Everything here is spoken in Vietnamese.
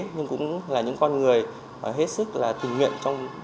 nhưng cũng là những con người hết sức là tình nguyện trong